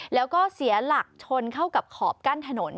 แล้วก็เสียหลักชนเข้ากับขอบกั้นถนน